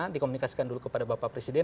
dikomunikasikan dulu kepada bapak presiden